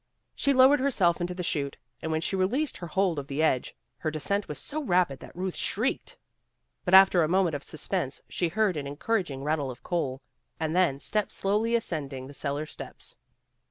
She lowered her self into the chute, and when she released her hold of the edge, her descent was so rapid that Ruth shrieked. But after a moment of sus pense she heard an encouraging rattle of coal, and then steps slowly ascending the cellar steps.